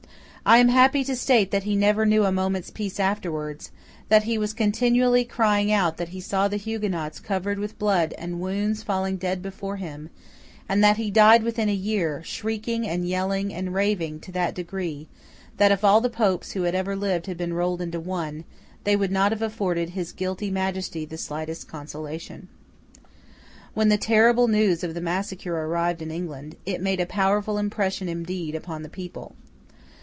I am happy to state that he never knew a moment's peace afterwards; that he was continually crying out that he saw the Huguenots covered with blood and wounds falling dead before him; and that he died within a year, shrieking and yelling and raving to that degree, that if all the Popes who had ever lived had been rolled into one, they would not have afforded His guilty Majesty the slightest consolation. When the terrible news of the massacre arrived in England, it made a powerful impression indeed upon the people.